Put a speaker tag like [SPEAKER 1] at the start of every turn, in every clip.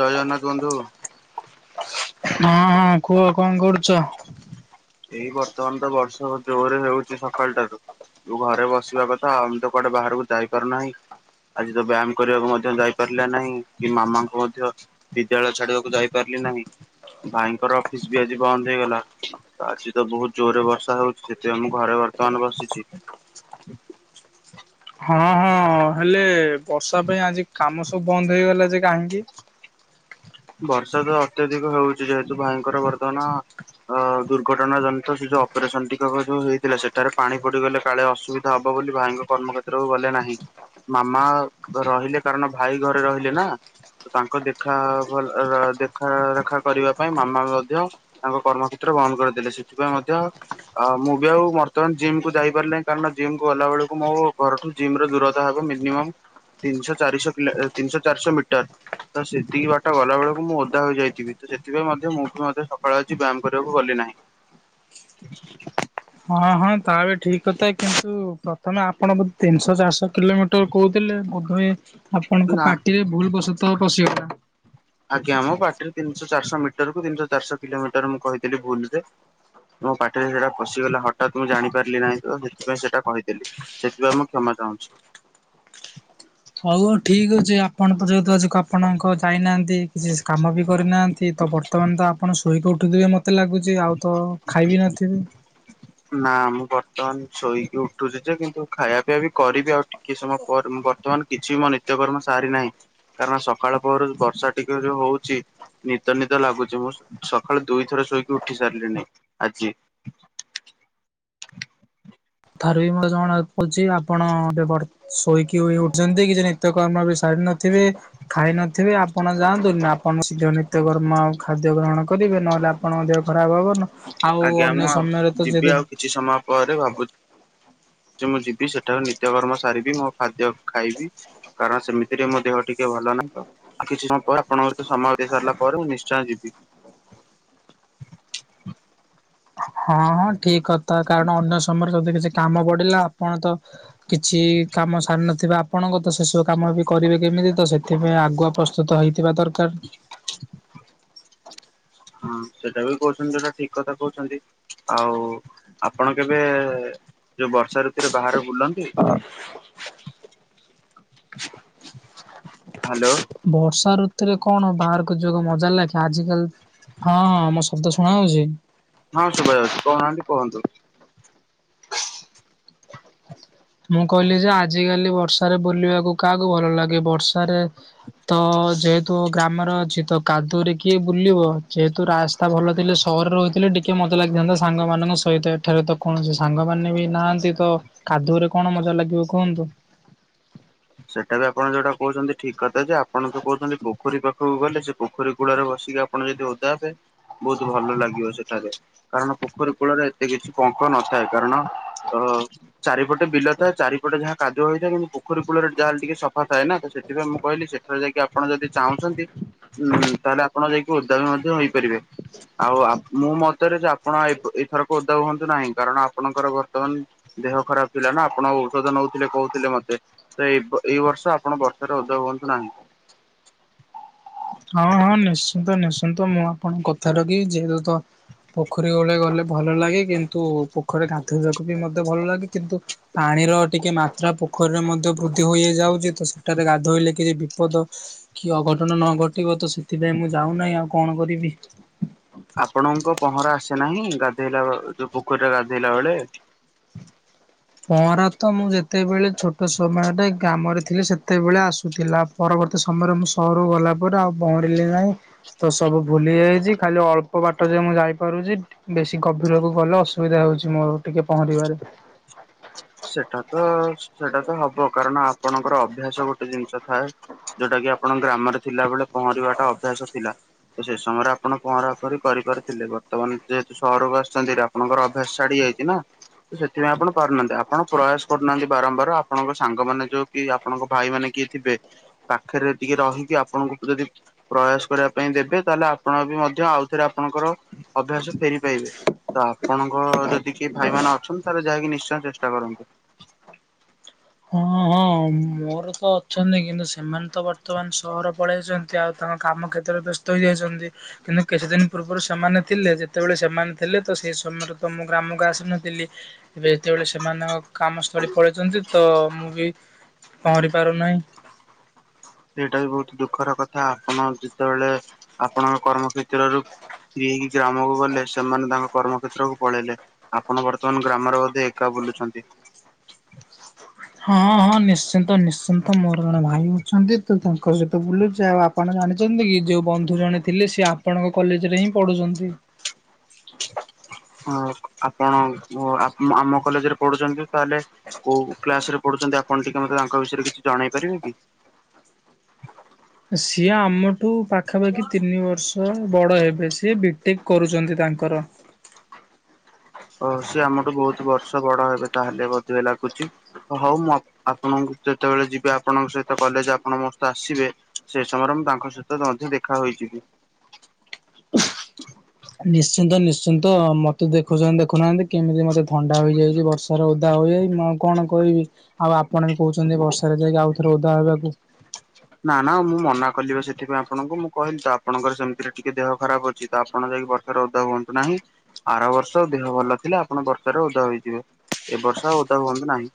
[SPEAKER 1] ଜୟ ଜଗନ୍ନାଥ ବନ୍ଧୁ।
[SPEAKER 2] ହଁ ହଁ କୁହ କଣ କରୁଛ?
[SPEAKER 1] ଏଇ ବର୍ତ୍ତମାନ ତ ବର୍ଷ ଜୋର ହେଉଛି ସକାଳ ଟାରୁ। ତୁ ଘରେ ବସିବା କଥା ଆଉ ଆମେ ତ କୁଆଡ଼େ ବାହାରକୁ ଯାଇପାରୁନାହିଁ। ଆଜି ତ ବ୍ୟାୟାମ କରିବାକୁ ମଧ୍ୟ ଯାଇପାରିଲା ନାହିଁ କି ମାମାଙ୍କୁ ମଧ୍ୟ ବିଦ୍ୟାଳୟ ଛାଡ଼ିବାକୁ ଯାଇ ପାରିଲି ନାହିଁ ଭାଇଙ୍କର ଅଫିସ ବି ଆଜି ବନ୍ଦ ହେଇଗଲା। ଆଜି ତ ବୋହୁତ ଜୋରେ ବର୍ଷା ହଉଛି ସେଥିପାଇଁ ମୁଁ ଘରେ ବର୍ତ୍ତମାନ ବସିଚି।
[SPEAKER 2] ହଁ ହଁ ହେଲେ ବର୍ଷା ପାଇଁ ଆଜି କାମ ସବୁ ବନ୍ଦ ହେଇଗଲା ଯେ କାହିଁକି?
[SPEAKER 1] ବର୍ଷା ତ ଅତ୍ୟଧିକ ହେଉଚି ଯେହେତୁ ଭାଇଙ୍କର ବର୍ତ୍ତମାନ ଅ ଦୁର୍ଘଟଣା ଜନିତ ସେ ଯୋଉ ଅପରେସନ ଟିକକ ଯୋଉ ହେଇଥିଲା ସେଠାରେ ପାଣି ପଡ଼ିଗଲେ କାଳେ ଅସୁବି ଧା ହବ ବୋଲି ଭାଇଙ୍କ କର୍ମ ଖେତ୍ରକୁ ଗଲେ ନାହିଁ। ମାମା ଘ ରହିଲେ କାରଣ ଭାଇ ଘରେ ରହିଲେ ନା ତ ତାଙ୍କ ଦେଖା ଭଲ ର ଦେଖାରେଖା କରିବା ପାଇଁ ମାମା ମଧ୍ୟ ତାଙ୍କ କର୍ମକ୍ଷେତ୍ର ବନ୍ଦ କରିଦେଲେ ସେଥିପାଇଁ ମଧ୍ୟ ଅ ମୁଁ ବି ଆଉ ବର୍ତ୍ତମାନ ଜିମ୍ କୁ ଯାଇ ପାରିନାଇଁ କାରଣ ଜିମ୍ କୁ ଗଲା ବେଳକୁ ମୋ ଘରଠୁ ଜିମ୍ ର ଦୂରତା ହେବ ମିନିମମ୍ ତିନିଶ ଚାରିଶ କିଲ ତିନିଶ ଚାରିଶ ମିଟର ତ ସେତିକି ବା ଟ ଗଲା ବେଳକୁ ମୁଁ ଓଦା ହୋଇଯାଇଥିବି ତ ସେଥିପାଇଁ ମଧ୍ୟ ମୁଁ ବି ମଧ୍ୟ ସକାଳୁ ଆଜି ବ୍ୟାୟାମ କରିବାକୁ ଗଲି ନାହିଁ।
[SPEAKER 2] ହଁ ହଁ ତା ବି ଠିକ୍ କଥା କିନ୍ତୁ ପ୍ରଥମେ ଆପଣଙ୍କୁ ତିନିଶ ଚାରିଶ କିଲୋମିଟର କହୁଥିଲେ ବୋଧହୁଏ ଆପଣଙ୍କ
[SPEAKER 1] ନା
[SPEAKER 2] ପାଟିରେ ଭୁଲ ବଶତଃ ପଶିଗଲା।
[SPEAKER 1] ଆଜ୍ଞା ମୋ ପାଟିରେ ତିନିଶହ ଚାରଶହ ମିଟର କୁ ତିନିଶହ ଚାରଶହ କିଲୋମିଟର ମୁଁ କହିଦେଲି ଭୁଲୁ ରେ। ମୋ ପାଟିରେ ହେଟା ପଶିଗଲା ହଠାତ୍ ମୁଁ ଜାଣିପାରିଲି ନାହିଁ ତ ସେଥିପାଇଁ ସେଟା କହିଦେଲି। ସେଥିପାଇଁ ମୁଁ କ୍ଷମା ଚାହୁଁଛି।
[SPEAKER 2] ହଉ ହଉ ଠିକ୍ ଅଛି ଆପଣ ତ ଯେହେତୁ ଆଜି କ ଆପଣଙ୍କ ଯାଇନାହାନ୍ତି କିଛି କାମ ବି କରିନାହାନ୍ତି ତ ବର୍ତ୍ତମାନ ତ ଆପଣ ଶୋଇକି ଉଠୁଥିବେ ମ ତେ ଲାଗୁଚି ଆଉ ତ ଖାଇବି ନଥିବେ।
[SPEAKER 1] ନା ମୁଁ ବର୍ତ୍ତମାନ ଶୋଇକି ଉଠୁଛି ଯେ କିନ୍ତୁ ଖାଇବା ପିବା ବି କରିବି ଆଉ ଟିକେ ସମୟ ପରେ ବର୍ତ୍ତମାନ କିଛି ମୋ ନିତ୍ୟକର୍ମ ସାରି ନାହିଁ। କାରଣ ସକାଳ ପହରୁ ବର୍ଷା ଟିକେ ଯୋଉ ହଉଛି। ନିଦ ନିଦ ଲାଗୁଛି ମୁଁ ସକାଳୁ ଦୁଇଥର ଶୋଇକି ଉଠି ସାରିଲିଣି ଆଜି। [inaudible]
[SPEAKER 2] [unintelligible] ଆପଣ ଶୋଇକି ହୋଇ ଉଠୁଛନ୍ତି, କିଛି ନିତ୍ୟକର୍ମ ବି ସାରି ନଥିବେ। ଖାଇନଥିବେ ଆପଣ ଯାଆନ୍ତୁ ଆପଣ ଶୀଘ୍ର ନିତ୍ୟକର୍ମ ଆଉ ଖାଦ୍ୟ ଗ୍ରହଣ କରିବେ ନହେଲେ ଆ ଆପଣଙ୍କ ଦେହ ଖରାପ ହବ ନ।
[SPEAKER 1] ଆଜ୍ଞା ମୁଁ ଆଉ ଯିବି, ଆଉ କିଛି ସମୟ ପରେ ଭାବୁ ଚି ମୁଁ ଯିବି ସେଠାରୁ ନିତ୍ୟକର୍ମ ସାରିବି ମୋ ଖାଦ୍ୟ ଖାଇବି। କାରଣ, ସେମିତିରେ ମୋ ଦେହ ଟିକେ ଭଲ ନାହିଁ ତ! ଆଉ କିଛି ସମୟ ପରେ, ଆପଣଙ୍କ ସହିତ ସମୟ ଦେଇ ସାରିଲା ପରେ, ମୁଁ ନିଶ୍ଚୟ ଯିବି।
[SPEAKER 2] ହଁ ହଁ, ଠିକ୍ କଥା। କାରଣ, ଅନ୍ୟ ସମୟରେ ଯଦି କିଛି କାମ ପଡିଲା, ଆପଣ ତ କିଛି କାମ ସାରିନଥିବେ। ଆପଣଙ୍କ ତ ସେସବୁ କାମ ବି କରିବେ କେମିତି ତ? ସେଥିପାଇଁ ଆଗୁଆ ପ୍ରସ୍ତୁତ ହେଇଥିବା ଦରକାର।
[SPEAKER 1] ହଁ, ସେଇଟା ବି କହୁଛନ୍ତି, ଯୋଉଟା ଠିକ୍ କଥା କହୁଛନ୍ତି। ଆଉ ଆପଣ କେବେ-ଏ-ଏ- ଯୋଉ ବର୍ଷା ଋତୁରେ, ବାହାରେ ବୁଲନ୍ତି? ହ୍ୟାଲୋ।
[SPEAKER 2] ବର୍ଷା ଋତୁରେ କଣ ବାହାରକୁ ଯିବାକୁ ମଜା ଲାଗେ? ଆଜିିକାଲି, ହଁ, ହଁ, ମସ୍ ଶବ୍ଦ ଶୁଣା ହଉଛି?
[SPEAKER 1] ହଁ, ଶୁଭା ଯାଉଛି, କହୁନାହାନ୍ତି, କୁହନ୍ତୁ।
[SPEAKER 2] ମୁଁ କହିଲି ଯେ, ଆଜିକାଲି ବର୍ଷାରେ ବୁଲିବାକୁ କାହାକୁ ଭଲ ଲାଗେ? ବର୍ଷାରେ ତ, ଯେହେତୁ ଗ୍ରାମରେ ଅଛି, ତ କାଦୁଅରେ କିଏ ବୁଲିବ? ଯେହେତୁ ରାସ୍ତ୍ ତା ଭଲ ଥିଲେ, ସହରରେ ରହିଥିଲେ ଟିକେ ମଜା ଲାଗିଥାନ୍ତା ସାଙ୍ଗମାନଙ୍କ ସହିତ। ଏଠାରେ ତ କୌଣସି ସା ସାଙ୍ଗମାନେ ବି ନାହାନ୍ତି, ତ କାଦୁଅରେ କଣ ମଜା ଲାଗିବ, କୁହନ୍ତୁ?
[SPEAKER 1] ସେଇଟା ବି ଆପଣ ଯୋଉଟା କହୁଛନ୍ତି, ଠିକ୍ କଥା। ଯେ ଆପଣ ଯ କହୁଛନ୍ତି, ପୋଖରୀ ପାଖକୁ ଗଲେ ସେ ପୋଖରୀ କୂଳରେ ବସିକି, ଆପଣ ଯଦି ଓଦା ହେବେ, ବହୁତ ଭଲ ଲାଗିବ ସେଠାରେ। କାରଣ ପୋଖରୀ କୂଳରେ ଏତେ କିଛି ପଙ୍କ ନଥାଏ। କାରଣ ତ, ଚାରିପଟେ ବିଲ ଥାଏ। ଚାରିପଟେ ଯାହା କାଦୁଆ ହେଇଥାଏ। କିନ୍ତୁ, ପୋଖରୀ କୂଲରେ ଯାହା ହେଲେ, ଟିକେ ସଫା ଥାଏ ନା। ତ, ସେଥିପାଇଁ ମୁଁ କହିଲି, ସେଠାରେ ଯାଇକି ଆପଣ ଯଦି ଚାହୁଁଛନ୍ତି ହୁଁ, ତାହେଲେ, ଆପଣ ଯାଇକି ଓଦା ବି ମଧ୍ୟ ହେଇପାରିବେ। ଆଉ, ଆ ମୁଁ ମତରେ, ଯେ ଆପଣ ଏ-ଏଥରକ ଓଦା ହୁଅନ୍ତୁ ନାହିଁ। କାରଣ, ଆପଣଙ୍କର ବର୍ତ୍ତମାନ ଦେହ ଖରାପ ଥିଲା ନା, ଆପଣ ଔଷଧ ନଉଥିଲେ, କହୁଥିଲେ ମତେ। ତ, ଏଇବ -ଏଇ ବର୍ଷ ଆପଣ ବର୍ଷାରେ ଓଦା ହୁଅନ୍ତୁ ନାହିଁ।
[SPEAKER 2] ହଁ, ହଁ, ନିଶ୍ଚିନ୍ତ, ନିଶ୍ଚିନ୍ତ। ମୁଁ ଆପଣଙ୍କ କଥା ରଖି, ଯେହେତୁ ତ ପୋଖରୀ କୂଳେ ଗଲେ ଭଲ ଲାଗେ। କିନ୍ତୁ, ପୋଖରୀ ଗାଧୋଇବାକୁ ବି ମଧ୍ୟ ଭଲ ଲାଗେ, କିନ୍ତୁ ପାଣିର ଟିକେ ମାତ୍ରା ପୋଖରୀରେ ମଧ୍ୟ ବୃଦ୍ଧି ହୋଇଯାଉଛି। ତ, ସେଠାରେ ଗାଧୋଇଲେ କିଛି ବିପଦ କି ଅଘଟଣ ନଘଟିବ, ତ ସେଥିପାଇଁ ମୁଁ ଯାଉନାହିଁ। ଆଉ କଣ କରିବି?
[SPEAKER 1] ଆପଣଙ୍କ ପହଁରା ଆସେ ନାହିଁ, ଗାଧେଇଲା ବ ଯୋଉ ପୋଖରୀରେ ଗାଧେଇଲା ବେଳେ।
[SPEAKER 2] ପହଁରା ତ ମୁଁ ଯେତେବେଳେ ଛୋଟ ସମୟରେ ଗ୍ରାମରେ ଥିଲି, ସେତେବେଳେ ଆସୁଥିଲା। ପରବର୍ତ୍ତୀ ସମୟରେ, ମୁଁ ସହରକୁ ଗଲା ପରେ, ଆଉ ପହଁରିଲି ନାହିଁ। ତ, ସବୁ ଭୁଲି ଯାଇଛି। ଖାଲି ଅଳ୍ପ ବାଟ ଯାଏ ମୁଁ ଯାଇପାରୁଛି। ବେଶୀ ଗଭୀରକୁ ଗଲେ, ଅସୁବିଧା ହଉଛି ମୋର ଟିକେ ପହଁରିବାରେ।
[SPEAKER 1] ସେଟା ତ-ଅ, ସେଟା ତ ହବ, କାରଣ ଆପଣଙ୍କର ଅଭ୍ୟାସ ଗୋଟେ ଜିନିଷ ଥାଏ। ଯୋଉଟା କି, ଆପଣ ଗ୍ରାମରେ ଥିଲାବେଳେ ପହଁରିବାଟା ଅଭ୍ୟାସ ଥିଲା। ସେ ସମୟରେ ଆପଣ ପହଁରା ପହଁରି କରିପାରିଥିଲେ। ବର୍ତ୍ତମାନ ଯେହେତୁ ସହରକୁ ଆସିଚନ୍ତି ତ ଆପଣଙ୍କର ଅଭ୍ୟାସ ଛାଡି ଯାଇଛି ନା! ତ ସେଥିପାଇଁ ଆପଣ ପାରୁନାହାଁନ୍ତି। ଆପ୍ ଆପଣ ପ୍ରୟାସ କରୁନାହାଁନ୍ତି, ବାରମ୍ବାର ବାରମ୍ବାର। ଆପଣଙ୍କ ସାଙ୍ଗମାନେ, ଯୋଉ କି ଆପଣଙ୍କ ଭାଇ ମାନେ କିଏ ଥିବେ? ପାଖରେ ଟିକେ ରହିକି, ଆପଣଙ୍କୁ ଯଦି ପ୍ରୟାସ କରିବା ପାଇଁ ଦେବେ, ତାହେଲେ ଆପଣ ବି ମଧ୍ୟ ଆଉଥରେ, ଆପଣଙ୍କର ଅଭ୍ୟାସ ଫେରି ପାଇବେ। ତ, ଆପଣଙ୍କ ଯଦି କିଏ ଭାଇମାନ ଅଛନ୍ତି, ତାହେଲେ ଯାଇକି ନିଶ୍ଚୟ ଚେଷ୍ଟା କରନ୍ତୁ।
[SPEAKER 2] ହଁ, ହଁ, ମୁଁ ମୋର ତ ଅଛନ୍ତି, କିନ୍ତୁ ସେମାନେ ତ ବର୍ତ୍ତମାନ ସହର ପଳେଇଛନ୍ତି। ଆଉ, ତାଙ୍କ କାମ କ୍ଷେତ୍ରରେ ବ୍ୟସ୍ତ ହୋଇଯାଇଛନ୍ତି। କିନ୍ତୁ କିଛି ଦିନ ପୂର୍ବରୁ ସେମାନେ ଥିଲେ, ଯେତେବେଳେ ସେମାନେ ଥିଲେ ତ ସେଇ ସମୟରେ ତ ମୁଁ ଗ୍ରାମକୁ ଆସିନଥିଲି। ଏବେ ଯେତେବେଳେ ସେମାନଙ୍କ କାମସ୍ଥଳୀ ପଳେଇଛନ୍ତି ତ, ମୁଁ ବି ପହଁରି ପାରୁନାହିଁ।
[SPEAKER 1] ସେଇଟା ବି ବହୁତ ଦୁଃଖର କଥା ଆପଣ ଯେତେବେଳେ ଆପଣଙ୍କ କର୍ମ କ୍ଷେତ୍ରରୁ ହେଇକି ଗ୍ରାମକୁ ଗଲେ ସେମାନେ ତାଙ୍କ କର୍ମକ୍ଷେତ୍ରକୁ ପଳେଇଲେ। ଆପଣ ବର୍ତ୍ତମାନ ଗ୍ରାମରେ ବୋଧେ ଏକା ବୁଲୁଚନ୍ତି।
[SPEAKER 2] ହଁ ହଁ ନିଶ୍ଚିନ୍ତ ନିଶ୍ଚିନ୍ତ ମୋର ଜଣେ ଭାଇ ଅଛନ୍ତି ତ ତା ତାଙ୍କ ସହିତ ବୁଲୁଛି ଆଉ ଆପଣ ଜାଣିଛନ୍ତି କି ଯୋଉ ବନ୍ଧୁ ଜଣେ ଥିଲେ ସେ ଆପଣଙ୍କ କଲେଜରେ ହିଁ ପଢୁୁଚନ୍ତି।
[SPEAKER 1] ହଁ ଆପଣ ଆମ କଲେଜରେ ପଢୁଛନ୍ତି ତାହେଲେ କୋଉ କ୍ଲାସ ରେ ପଢୁଛନ୍ତି ଆପଣ ଟିକେ ମତେ ତାଙ୍କ ବିଷୟରେ କିଛି ଜଣେଇ ପାରିବେ କି?
[SPEAKER 2] ସିଏ ଆମଠୁ ପାଖାପାଖି ତିନି ବର୍ଷ ସ ବଡ଼ ହେବେ ସିଏ ବିଟିକ କରୁଛନ୍ତି ତାଙ୍କର।
[SPEAKER 1] ଓ ସିଏ ଆମଠୁ ବହୁତ ବର୍ଷ ବଡ ହେବେ ତାହେଲେ ବୋଧୁଏ ଲାଗୁଛି ହଉ ମ ଆପଣଙ୍କୁ ଯେତେବେଳେ ଯିବେ ଆପଣଙ୍କ ସହିତ କଲେଜ ଆପଣ ମୋ ସହିତ ଆସିବେ ସେ ସମୟରେ ମୁଁ ତାଙ୍କ ସହି ତ ମଧ୍ୟ ଦେଖା ହୋଇଯିବି।
[SPEAKER 2] ନିଶ୍ଚିନ୍ତ ନିଶ୍ଚିନ୍ତ ମତେ ଦେଖୁ ଚନ୍ତି ଦେଖୁନାହାନ୍ତି କେମିତି ମତେ ଥଣ୍ଡା ହୋଇଯାଇଛି ବର୍ଷ ବର୍ଷାରେ ଓଦା ହୁଏ, ମୁଁ ଆଉ କଣ କହିବି ଆଉ ଆପଣ ବି କହୁଛନ୍ତି ବର୍ଷାରେ ଯାଇକି ଆଉ ଥରେ ଓଦା ହେବାକୁ।
[SPEAKER 1] ନା ନା ମୁଁ ମନା କଲିିବା ସେଥିପାଇଁ ଆପଣଙ୍କୁ ମୁଁ କହିଲି ତ ଆପଣଙ୍କର ସେମତିରେ ଟିକେ ଦେହ ଖରାପ ଅଛି। ତ ଆପଣ ଯାଇକି ବର୍ଷାରେ ଓଦା ହୁଅନ୍ତୁ ନାହିଁ ଆର ବର୍ଷ ଦେହ ଭଲ ଥିଲେ ଆପଣ ବର୍ଷାରେ ଓଦା ହୋଇଯିବେ। ଏ ବର୍ଷ ଓଦା ହୁଅନ୍ତୁ ନାହିଁ।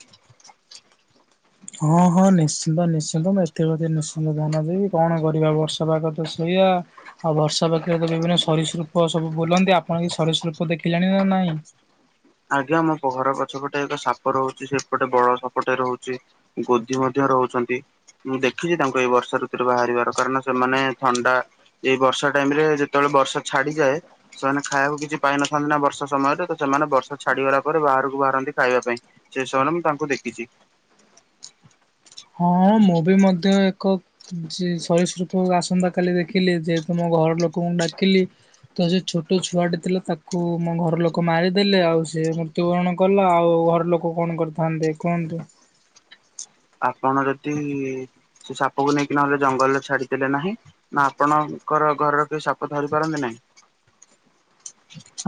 [SPEAKER 2] ହଁ ହଁ ନିଶ୍ଚିନ୍ତ ନିଶ୍ଚିନ୍ତ ମୁଁ ଏଥିପ୍ରତି ନିଶ୍ଚିନ୍ତ ଧ୍ୟାନ ଦେବି କଣ କରିବା ବର୍ଷ ବର୍ଷା ପାଗ ତ ଶୋଇଆ ଆଉ ବର୍ଷା ବାକରେ ବିଭିନ୍ନ ସରିସୃପ ସବୁ ବୁଲନ୍ତି। ଆପଣ କିଛି ସରୀସୃପ ଦେଖିଲେଣି ନା ନାଇଁ?
[SPEAKER 1] ଆଜ୍ଞା ଆମ ପ ଘର ପଛପଟେ ଏକ ସାପ ରହୁଛି ସେପଟେ ବଡ ସାପଟେ ରହୁଛି। ଗୋଧି ମଧ୍ୟ ରହୁଛନ୍ତି। ମୁଁ ଦେଖିଛି ତାଙ୍କୁ ଏଇ ବର୍ଷା ଋତୁରେ ବାହାରିବାର କାରଣ ସେମାନେ ଥଣ୍ଡା ଏ ବର୍ଷା ଟାଇମ ରେ ଯେତେବେଳେ ବର୍ଷା ଛାଡିଯାଏ ସେମାନେ ଖାଇବାକୁ କିଛି ପାଇନଥାନ୍ତି ନା ବର୍ଷା ସମୟରେ ତ ସେମାନେ ବର୍ଷା ଛାଡିଗଲା ପରେ ବାହାରକୁ ବାହାରନ୍ତି ଖାଇବା ପାଇଁ ସେ ସମୟରେ ମୁଁ ତାଙ୍କୁ ଦେଖିଚି।
[SPEAKER 2] ହଁ ମୁ ବି ମଧ୍ୟ ଏକ ଯେ ସରିସୃପ ଆସନ୍ତା କାଲି ଦେଖିଲି ଯେ ତୁମ ଘର ଲୋକଙ୍କୁ ଡାକିଲି ତ ସେ ଛୋଟ ଛୁଆଟେ ଥିଲା ତାକୁ ମୋ ଘର ଲୋକ ମାରିଦେଲେ ଆଉ ସେ ମୋ ତୁ କଣ କଲ, ଆଉ ଘର ଲୋକ କଣ କରିଥାନ୍ତେ କୁହନ୍ତୁ?
[SPEAKER 1] ଆପଣ ଯଦି ସେ ସାପକୁ ନେଇକି ନହେଲେ ଜଙ୍ଗଲରେ ଛାଡିଦେଲେ ନାହିଁ। ନା ଆପଣଙ୍କର ଘରର କେହି ସାପ ଧରି ପାରନ୍ତି ନାହିଁ?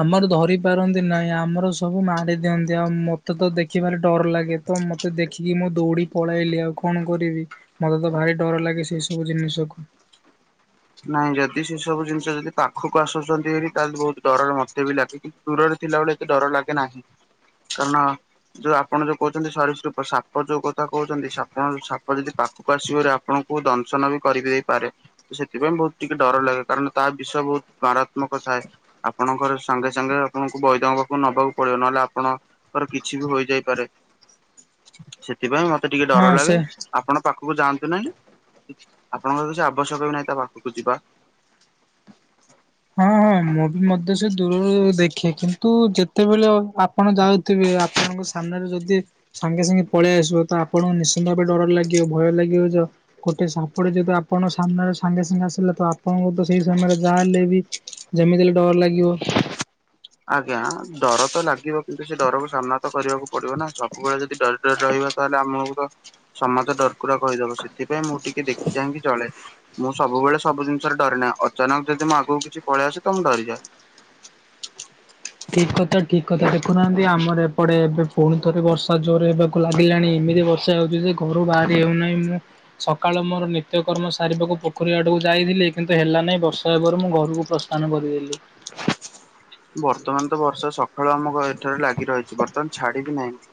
[SPEAKER 2] ଆମର ଧରି ପାରନ୍ତି ନାହିଁ ଆମର ସବୁ ମାଡି ଦିଅନ୍ତି ଆଉ ମତେ ତ ଦେଖିଭାରି ଡର ଲାଗେ। ତ ମତେ ଦେଖିକି ମୁଁ ଦୌଡ଼ି ପଳେଇଲି ଆଉ କଣ କରିବି। ମତେ ତ ଭାରି ଡର ଲାଗେ ସେଇ ସବୁ ଜିନିଷକୁ।
[SPEAKER 1] ନାଇଁ ଯଦି ସେ ସବୁ ଜିନିଷ ଯଦି ପାଖକୁ ଆସୁଛନ୍ତି ହାରି ତାହେଲେ ବହୁତ ଡରରେ ମତେ ବି ଲାଗେ। ଦୂରରେ ଥିଲାବେଳେ ଏତେ ଡର ଲାଗେ ନାହିଁ, କାରଣ ଯୋଉ ଆପଣ ଯୋଉ କହୁଛନ୍ତି ସରିସୃପ ସାପ ଯୋଉ କଥା କହୁଛନ୍ତି ସାପଣ ଯୋଉ ସାପ ଯଦି ପାଖକୁ ଆସିବ ହାରି ଆପଣ କୁ ଦଂଶନ ବି କରି ଦେଇପାରେ। ସେଥିପାଇଁ ବହୁତ ଟିକେ ଡର ଲାଗେ କାରଣ ତା ବିଷ ବହୁତ ମାରାତ୍ମକ ଥାଏ। ଆପଣଙ୍କ ଘରେ ସାଙ୍ଗେ ସାଙ୍ଗେ ଆପଣଙ୍କୁ ବୈଦଙ୍କ ପାଖକୁ ନବାକୁ ପଡିବ ନହେଲେ ଆପଣ ର କିଛି ବି ହୋଇଯାଇପାରେ ସେଥିପାଇଁ ମତ ମତେ ଟିକେ
[SPEAKER 2] ହଁ
[SPEAKER 1] ଡର
[SPEAKER 2] ସେ
[SPEAKER 1] ଲାଗେ ଆପଣ ପାଖକୁ ଯାଆନ୍ତୁ ନାହିଁ, ଆପଣଙ୍କର କିଛି ଆବଶ୍ୟକ ବି ନାହିଁ ତା ପା ଖକୁ ଯିବା।
[SPEAKER 2] ହଁ ହଁ ମୁଁ ବି ମଧ୍ୟ ସେ ଦୂରରୁ ଦେଖେ, କିନ୍ତୁ ଯେତେବେଳେ ଆପଣ ଯାଉ ଆପଣଙ୍କ ସାମ୍ନାରେ ଯଦି ସାଙ୍ଗେ ସାଙ୍ଗେ ପଳେଇ ଆସିବ, ତ ଆପଣଙ୍କୁ ନିଶ୍ଚିନ୍ତ ଭାବେ ଡର ଲାଗିବ ଭୟ ଲାଗିବ ଯ ଗୋଟେ ସାପଟେ ଯଦି ଆପଣ ସାମ୍ନାରେ ସାଙ୍ଗେ ସାଙ୍ଗେ ଆସିଲେ, ତ ଆପଣଙ୍କୁ ତ ସେଇ ସମୟରେ ଯାହା ହେଲେ ବି ଯେମିତି ହେଲେ ଡର ଲାଗିବ।
[SPEAKER 1] ଆଜ୍ଞା ଡର ତ ଲାଗିବ, କିନ୍ତୁ ସେ ଡରକୁ ସାମ୍ନା ତ କରିବାକୁ ପଡିବ ନା, ସବୁବେଳେ ଯଦି ଡର ରହିବ ତାହେଲେ ଆମକୁ ତ ସମସ୍ତେ ଡରକୁରା କହିଦେବେ, ସେଥିପାଇଁ ମୁଁ ଟିକେ ଦେଖି ଚାହିଁକି ଚଳେ। ମୁଁ ସବୁବେଳେ ସବୁ ଜିନିଷରେ ଡରେ ନା, ଅଚାନକ ଯଦି ମୁଁ ଆଗକୁ କିଛି ପଳେଇ ଆସେ, ତ ମୁଁ ଡରିଯାଏ।
[SPEAKER 2] ଠିକ କଥା, ଠିକ କଥା, ଦେଖୁନାହାନ୍ତି ଆମର ଏପଟେ ଏବେ ପୁଣି ଥରେ ବର୍ଷା ଜୋରରେ ହେବା ଲାଗିଲାଣି ଏମିତି ବର୍ଷା ହଉଛି ଯେ ଘରୁ ବାହାରି ହେଉନାହିଁ ମୁଁ ସକାଳ ମୋର ନିତ୍ୟକର୍ମ ସାରିବାକୁ, ପୋଖରୀ ଆଡକୁ ଯାଇଥିଲି, କିନ୍ତୁ ହେଲା ନାହିଁ ବର୍ଷ ହେବାରୁ ମୁଁ ଘରକୁ ପ୍ରସ୍ଥାନ କରିଦେଲି।
[SPEAKER 1] [inaudible] ବର୍ତମାନ ତ ବର୍ଷା ସକାଳୁ ଆମ ଏଠାରେ ଲାଗି ରହିଛି, ବର୍ତ୍ତମାନ ଛାଡି ବିି ନାହିଁ।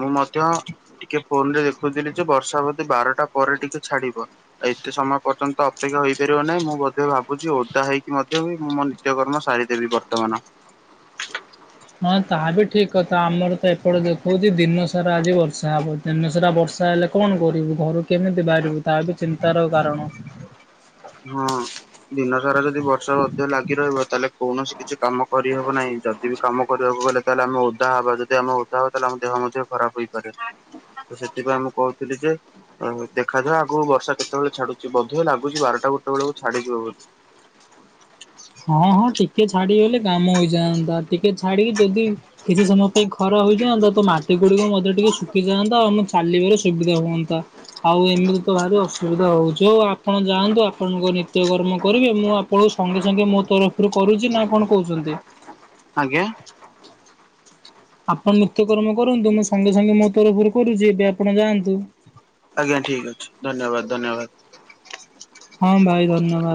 [SPEAKER 1] ମୁଁ ମଧ୍ୟ ଟିକେ ଫୋନ ରେ ଦେଖୁଥିଲି ଯେ, ବର୍ଷା ବୋଧେ ବାରଟା ପରେ ଟିକେ ଛାଡିବ। ଆଉ ଏତେ ସମୟ ପର୍ଯ୍ୟନ୍ତ ଅପେକ୍ଷା ହେଇପାରିବ ନାହିଁ ମୁଁ ବୋଧେ ଭାବୁଛି ଓଦା ହେଇକି ମଧ୍ୟ ମୁଁ ମ ନିତ୍ୟ କର୍ମ ସାରିଦେବି ବର୍ତ୍ତମାନ।
[SPEAKER 2] ହଁ ତାହା ବି ଠିକ କଥା ଆମର ତ ଏପଟେ ଦେଖଉଛି ଦିନସାରା ଆଜି ବର୍ଷା ହେବ ଦିନ ସାରା ବର୍ଷା ହେଲେ କଣ କରିବୁ ଘରେ କେମିତି ବାହାରି ତା ବି ଚିନ୍ତାର କାରଣ।
[SPEAKER 1] ହଁ। ଦିନ ସାରା ଯଦି ବର୍ଷା ମଧ୍ୟ ଲାଗି ରହିବ ତାହେଲେ କୌଣସି କିଛି କାମ କରିହବ ନାହିଁ ଯଦି ଯଦି କାମ କରିବାକୁ ଗଲେ ତାହେଲେ ଆମେ ଓଦା ହବା, ଯଦି ଆମେ ଓଦା ହବ ତାହେଲେ ଆମ ଦେହ ମଧ୍ୟ ଖରାପ ହେଇପାରେ। ତ ସେଥିପାଇଁ ଆ ମୁଁ କହୁଥିଲି ଯେ ଦେଖାଯାଉ ଆଗରୁ ବର୍ଷା କେତେବେଳେ ଛାଡୁଛି, ବୋଧେ ଲାଗୁଛି ବାରଟା ଗୋଟେ ବେଳକୁ ଛାଡିଯିବ ବୋଲି।
[SPEAKER 2] ହଁ ହଁ ଟିକେ ଛାଡିଗଲେ କାମ ହେଇଯାଆନ୍ତା ଟିକେ ଛାଡ଼ିକି ଯଦି କିଛି ସମୟ ପାଇଁ ଖରା ହୋଇଯାଆନ୍ତା ତ ମାଟି ଗୁଡିକ ମଧ୍ୟ ଟିକେ ଶୁଖିଯାଆନ୍ତା ଆଉ ମୁଁ ଚାଲିବାରୁ ସୁବିଧା ହୁଅନ୍ତା। ଆଉ ଏମିତି ତ ଭାରି ଅସୁବିଧା ହଉଛି, ଆଉ ଆପଣ ଯାଆନ୍ତୁ ଆପଣଙ୍କ ନିତ୍ୟକର୍ମ କରିବେ ମୁଁ ଆପଣଙ୍କୁ ସଙ୍ଗେ ସାଙ୍ଗେ ମୋ ତରଫରୁ କରୁଛି ନା କଣ କହୁଛନ୍ତି?
[SPEAKER 1] ଆଜ୍ଞା।
[SPEAKER 2] ଆପଣ ନିତ୍ୟକର୍ମ କରନ୍ତୁ ମୁଁ ସଙ୍ଗେ ସଙ୍ଗେ ମୋ ତରଫରୁ କରୁଛି ଏବେ ଆପଣ ଯାଆନ୍ତୁ।
[SPEAKER 1] ଆଜ୍ଞା ଠିକ୍ ଅଛି ଧନ୍ୟବାଦ ଧନ୍ୟବାଦ।
[SPEAKER 2] ହଁ ଭାଇ ଧନ୍ୟବାଦ।